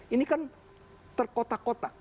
ini kan terkotak kotak